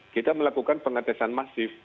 kita melakukan pengetesan masif